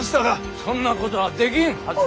そんなことはできんはずだで。